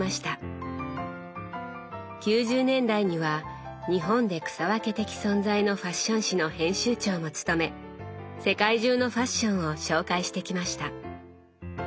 ９０年代には日本で草分け的存在のファッション誌の編集長も務め世界中のファッションを紹介してきました。